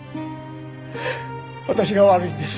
私が悪いんです。